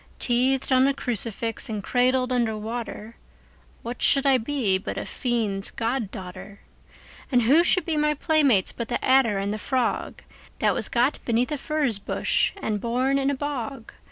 Teethed on a crucifix and cradled under water, What should I be but a fiend's god daughter? And who should be my playmates but the adder and the frog, That was got beneath a furze bush and born in a bog?